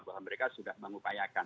bahwa mereka sudah mengupayakan